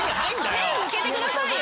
背を向けてくださいよ。